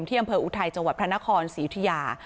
ที่อำเภออุทัยจพขศิริยา